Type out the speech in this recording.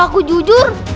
kalau aku jujur